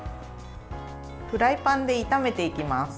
フライパンで炒めていきます。